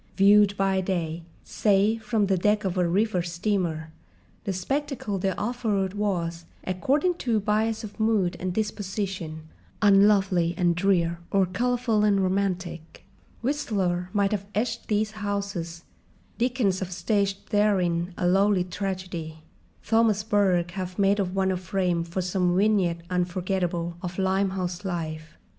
Viewed by day, say from the deck of a river steamer, the spectacle they offered was, according to bias of mood and disposition, unlovely and drear or colourful and romantic: Whistler might have etched these houses, Dickens have staged therein a lowly tragedy, Thomas Burke have made of one a frame for some vignette unforgettable of Limehouse life.